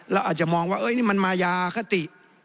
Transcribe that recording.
เราอาจจะมองว่านี่มันมายาคติ